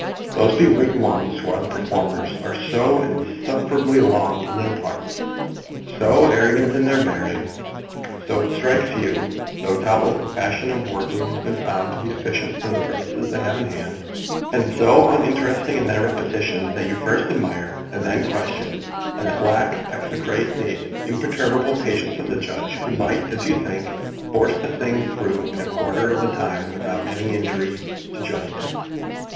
Those be wigged ones, who are the performers, are so insufferably long in their parts, so arrogant in their bearing, so it strikes you, though doubtless the fashion of working has been found to be efficient for the purposes they have in hand, and so uninteresting in their repetition, that you first admire, and then question, and at last execrate the imperturbable patience of the judge, who might, as you think, force the thing through in a quarter of the time without any injury to justice.